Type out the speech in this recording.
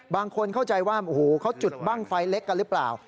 บางคนเข้าใจว่าโอ้โหเขาจุดบ้างไฟเล็กกันหรือเปล่า